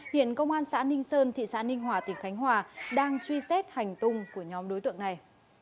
hiện công an xã ninh sơn thị xã ninh hòa tỉnh khánh hòa đang truy xét hành tung của nhóm đối tượng này